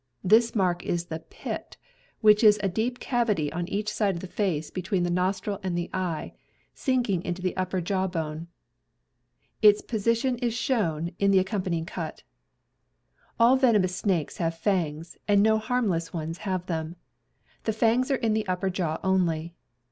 This mark is the jyit, which is a deep cavity on each side of the face between the nostril and the eye, sinking into the upper jaw bone. Its position is shown in the accompanying cut. All venomous snakes have fangs, and no harmless ones have them. The fangs are in the upper jaw only.